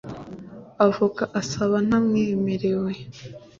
avoka asaba ntamwemerewe